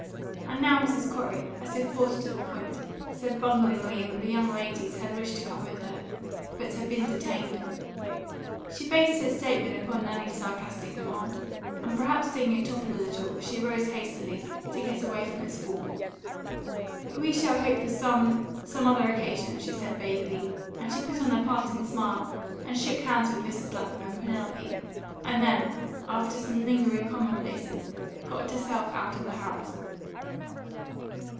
And now Mrs. Corey, as if forced to the point, said bunglingly that the young ladies had wished to come with her, but had been detained. She based her statement upon Nanny's sarcastic demand; and, perhaps seeing it topple a little, she rose hastily, to get away from its fall. "But we shall hope for some some other occasion," she said vaguely, and she put on a parting smile, and shook hands with Mrs. Lapham and Penelope, and then, after some lingering commonplaces, got herself out of the house.